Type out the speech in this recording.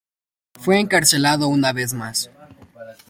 Fue encarcelado una vez más.